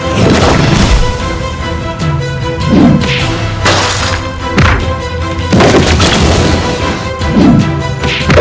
tidak ada apa apa